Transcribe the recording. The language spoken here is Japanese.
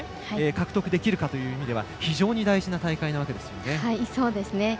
獲得できるかという意味では非常に大事な大会なわけですよね。